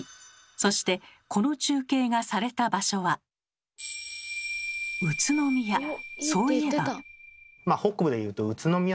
そしてこの中継がされた場所はそういえば。